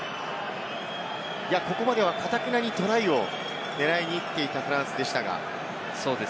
ここまでは、かたくなにトライを狙いに行っていたフランスでしたが。